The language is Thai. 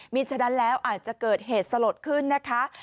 มีฉะนั้นแล้วอาจจะเกิดเหตุสลดขึ้นนะคะ